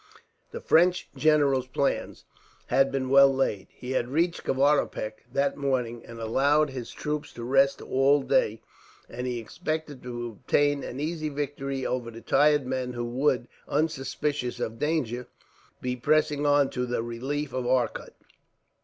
The French general's plans had been well laid. He had reached Kavaripak that morning, and allowed his troops to rest all day, and he expected to obtain an easy victory over the tired men who would, unsuspicious of danger, be pressing on to the relief of Arcot.